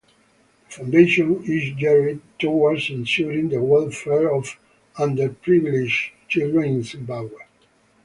The foundation is geared towards ensuring the welfare of underprivileged children in Zimbabwe.